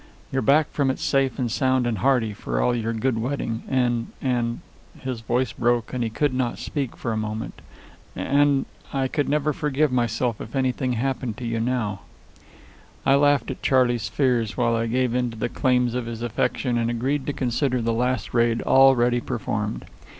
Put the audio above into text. You're back from it safe and sound and hearty, for all your good wetting, and and " His voice broke and he could not speak for a moment. "And I could never forgive myself if anything happened to you now." I laughed at Charley's fears while I gave in to the claims of his affection, and agreed to consider the last raid already performed.